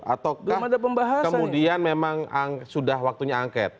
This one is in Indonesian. ataukah kemudian memang sudah waktunya angket